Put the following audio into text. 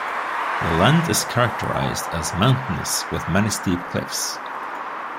The land is characterized as mountainous with many steep cliffs.